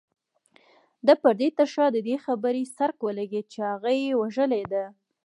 د پردې تر شا د دې خبرې څرک ولګېد چې هغه يې وژلې ده.